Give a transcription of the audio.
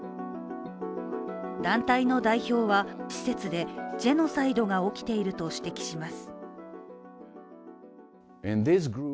団体の代表は、施設でジェノサイドが起きていると指摘します。